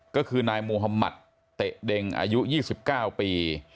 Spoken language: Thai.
ก็คือนายมุธมัติเตะเด็งอายุ๒๙ปี